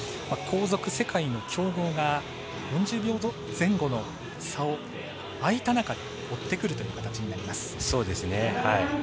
後続、世界の強豪が４０秒前後の差をあいた中で追ってくるという形になります。